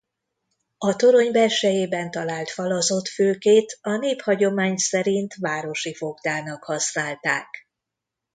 A torony belsejében talált falazott fülkét a néphagyomány szerint városi fogdának használták.